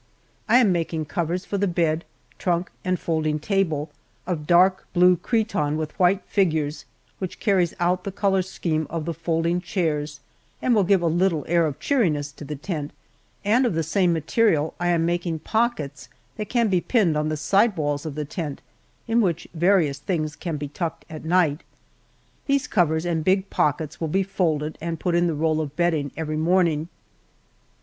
I am making covers for the bed, trunk, and folding table, of dark blue cretonne with white figures, which carries out the color scheme of the folding chairs and will give a little air of cheeriness to the tent, and of the same material I am making pockets that can be pinned on the side walls of the tent, in which various things can be tucked at night. These covers and big pockets will be folded and put in the roll of bedding every morning.